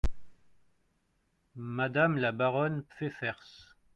Madame la baronne Pfeffers.